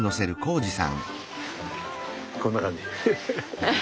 こんな感じ。